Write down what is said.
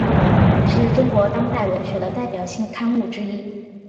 是中国当代文学的代表性刊物之一。